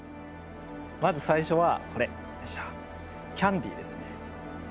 まず最初はこれキャンディーですね。